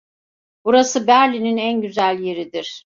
Burası Berlin'in en güzel yeridir.